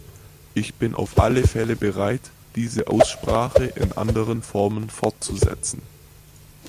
Ich bin auf alle Fälle bereit, diese Aussprache in anderen Formen fortzusetzen.